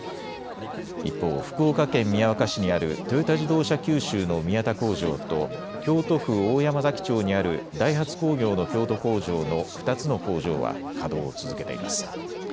一方、福岡県宮若市にあるトヨタ自動車九州の宮田工場と京都府大山崎町にあるダイハツ工業の京都工場の２つの工場は稼働を続けています。